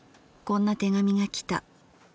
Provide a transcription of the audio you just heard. こんな手紙がきた。